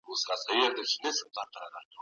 سوله سره وکړي؛ خو برعکس، دوی د حکمتیار او